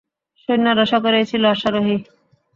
সৈন্যরা সকলেই ছিল অশ্বারোহী।